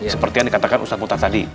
seperti yang dikatakan ustadz multa tadi